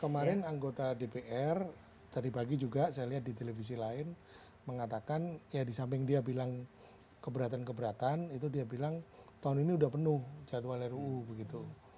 kemarin anggota dpr tadi pagi juga saya lihat di televisi lain mengatakan ya di samping dia bilang keberatan keberatan itu dia bilang tahun ini sudah penuh jadwal ruu begitu